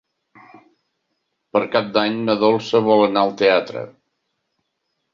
Per Cap d'Any na Dolça vol anar al teatre.